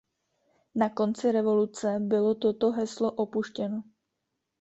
Na konci revoluce bylo toto heslo opuštěno.